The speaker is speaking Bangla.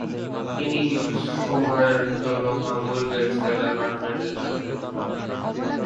তিনি কিছু সময়ের জন্য হামবুর্গের সেল আ্যপার্টমেন্টে থাকতেন।